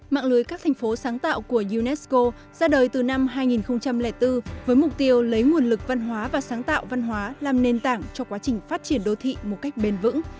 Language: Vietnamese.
mạng lưới các thành phố sáng tạo của unesco ra đời từ năm hai nghìn bốn với mục tiêu lấy nguồn lực văn hóa và sáng tạo văn hóa làm nền tảng cho quá trình phát triển đô thị một cách bền vững